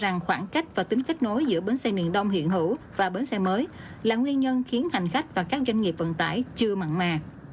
rằng khoảng cách và tính kết nối giữa bến xe miền đông hiện hữu và bến xe mới là nguyên nhân khiến hành khách và các doanh nghiệp vận tải chưa mặn mà